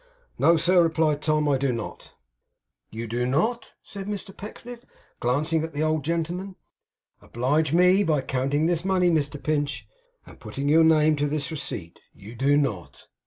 'No, sir,' replied Tom. 'I do not.' 'You do not,' said Mr Pecksniff, glancing at the old gentleman. 'Oblige me by counting this money, Mr Pinch, and putting your name to this receipt. You do not?